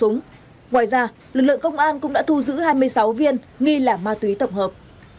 ngoài ra lực lượng công an cũng đã thu giữ hai mươi sáu viên nghi là ma túy tổng hợp